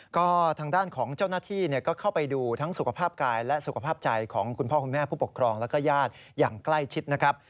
ก็ทางด้านของเจ้าหน้าที่ก็เข้าไปดูทั้งสุขภาพกายและสุขภาพใจของคุณพ่อคุณแม่ผู้ปกครองแล้วก็ญาติอย่างใกล้ชิดนะครับ